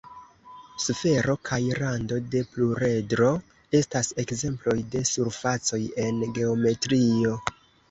Sfero kaj rando de pluredro estas ekzemploj de surfacoj en geometrio.